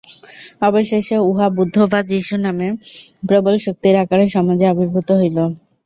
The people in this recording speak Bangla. অবশেষে উহা বুদ্ধ বা যীশু নামে প্রবল শক্তির আকারে সমাজে আবির্ভূত হইল।